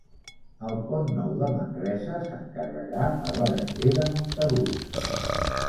El Pont Nou de Manresa s'encarregà a Berenguer de Montagut